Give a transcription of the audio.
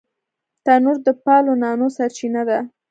تنور د پالو نانو سرچینه ده